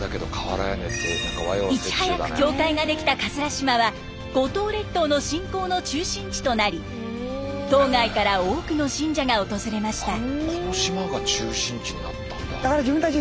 いち早く教会ができた島は五島列島の信仰の中心地となり島外から多くの信者が訪れました。